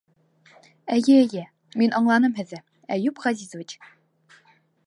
Эйе, эйе... мин аңланым һеҙҙе, Әйүп Ғәзизович.